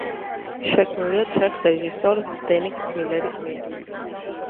შექმნილია ჩეხ რეჟისორ ზდენეკ მილერის მიერ.